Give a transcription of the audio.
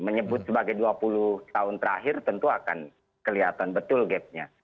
menyebut sebagai dua puluh tahun terakhir tentu akan kelihatan betul gapnya